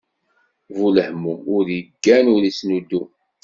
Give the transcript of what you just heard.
Bu lehmum, ur iggan, ur ittnuddum.